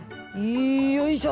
いよいしょ。